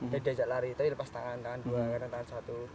jadi diajak lari tadi lepas tangan tangan dua tangan satu